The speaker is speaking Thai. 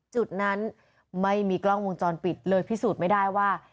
จุดนั้นไม่มีกล้องวงจรปิดเลยพิสูจน์ไม่ได้ว่า